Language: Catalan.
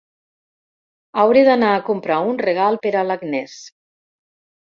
Hauré d'anar a comprar un regal per a l'Agnès.